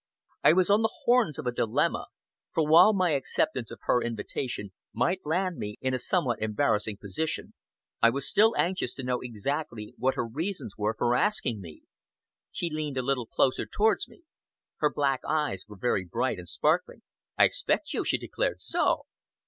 I was on the horns of a dilemma, for while my acceptance of her invitation might land me in a somewhat embarrassing position, I was still anxious to know exactly what her reasons were for asking me. She leaned a little closer towards me. Her black eyes were very bright and sparkling. "I expect you," she declared. "So!"